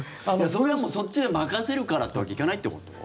それは、そっちで任せるからってわけにいかないってこと？